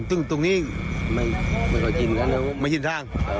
อื้มตรงเนี้ยะ